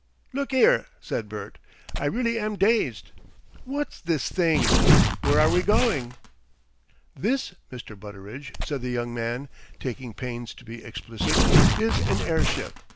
"Look 'ere," said Bert. "I really am dazed. What's this thing? Where are we going?" "This, Mr. Butteridge," said the young man, taking pains to be explicit, "is an airship.